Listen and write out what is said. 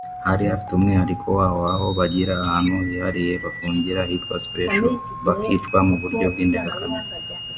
yari ifite umwihariko wayo aho bagiraga ahantu hihariye bafungira hitwa special bakicwa mu buryo bw’indengakamere